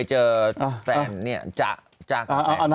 เจอแฟนเนี่ยจ่าครั้งแหนะ